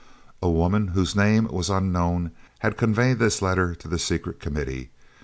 A woman, whose name was unknown, had conveyed this letter to the Secret Committee.